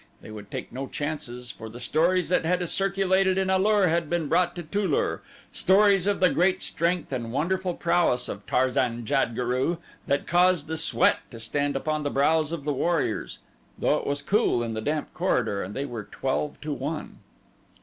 They would take no chances, for the stories that had circulated in A lur had been brought to Tu lur stories of the great strength and wonderful prowess of Tarzan jad guru that caused the sweat to stand upon the brows of the warriors, though it was cool in the damp corridor and they were twelve to one.